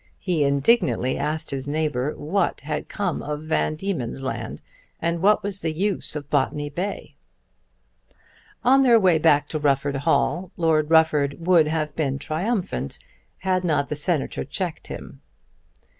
He indignantly asked his neighbour what had come of Van Diemen's Land, and what was the use of Botany Bay. On their way back to Rufford Hall, Lord Rufford would have been triumphant, had not the Senator checked him.